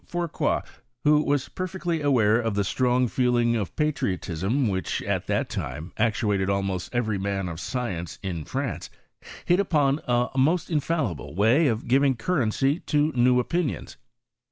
Fourcroy, who was perfectly aware of the strong feeling of patiiotism which, at that time, actuated almost every man of science in France, hit upon a most infallible way of giving currency to tha new opinions.